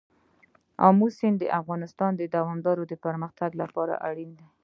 آمو سیند د افغانستان د دوامداره پرمختګ لپاره اړین دي.